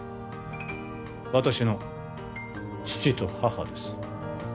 私の父と母です